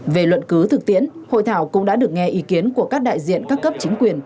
về luận cứ thực tiễn hội thảo cũng đã được nghe ý kiến của các đại diện các cấp chính quyền